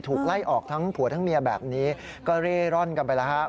ไล่ออกทั้งผัวทั้งเมียแบบนี้ก็เร่ร่อนกันไปแล้วครับ